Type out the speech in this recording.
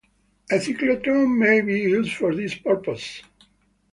A cyclotron may be used for this purpose.